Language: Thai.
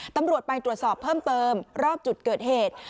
ตำรวจไปตรวจสอบเพิ่มเติมรอบจุดเกิดเหตุ